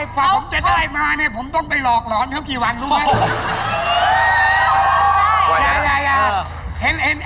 กว่าผมจะได้มาเนี่ยผมต้องไปหลอกหลอนเขากี่วันรู้ไหม